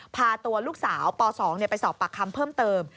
พาตัวลูกสาวป๒ไปสอบปากคำเพิ่มเติม